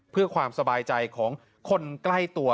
เพื่อความสบายใจของคนใกล้ตัว